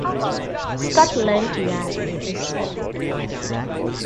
“Scotland Yard,” I said.